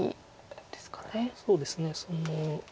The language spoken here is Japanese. そうですね。